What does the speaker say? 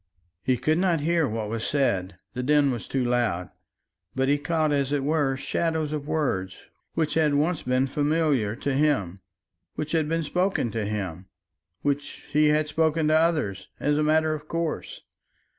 He could not hear what was said; the din was too loud. But he caught, as it were, shadows of words which had once been familiar to him, which had been spoken to him, which he had spoken to others as a matter of course.